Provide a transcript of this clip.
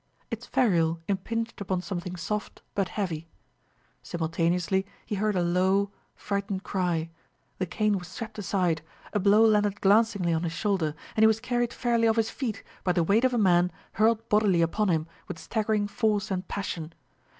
Its ferrule impinged upon something soft but heavy. Simultaneously he heard a low, frightened cry, the cane was swept aside, a blow landed glancingly on his shoulder, and he was carried fairly off his feet by the weight of a man hurled bodily upon him with staggering force and passion.